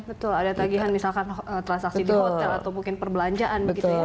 betul ada tagihan misalkan transaksi di hotel atau mungkin perbelanjaan begitu ya